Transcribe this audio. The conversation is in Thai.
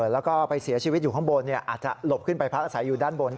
แล้วก็ไปเสียชีวิตอยู่ข้างบนอาจจะหลบขึ้นไปพักอาศัยอยู่ด้านบน